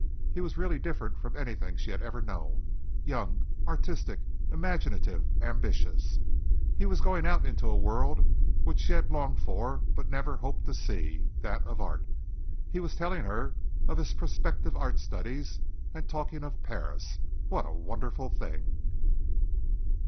He was really different from anything she had ever known, young, artistic, imaginative, ambitious. He was going out into a world which she had longed for but never hoped to see that of art. Here he was telling her of his prospective art studies, and talking of Paris. What a wonderful thing!